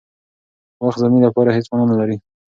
وخت زموږ لپاره هېڅ مانا نه لري.